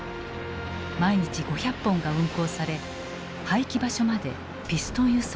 毎日５００本が運行され廃棄場所までピストン輸送した。